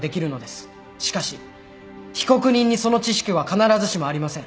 しかし被告人にその知識は必ずしもありません。